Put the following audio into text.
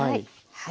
はい。